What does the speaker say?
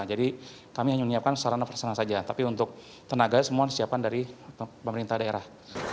kami hanya menyiapkan sarana persana saja tapi untuk tenaga semua disiapkan dari pemerintah daerah